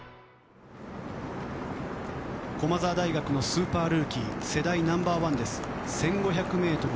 駒澤大学のスーパールーキー世代ナンバー１です。